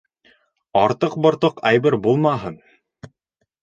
Артыҡ-бортоҡ әйбер булмаһын.